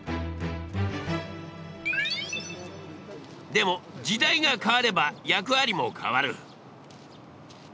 でも時代が変われば役割も変わる。